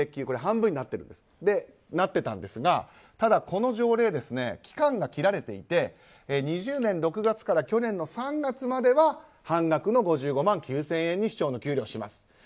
これ、半分になってたんですがこの条例、期間が切られていて２０年６月から去年の３月までは半額の５５万９０００円に市長の給料をします。